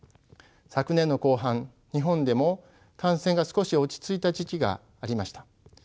昨年の後半日本でも感染が少し落ち着いた時期がありました。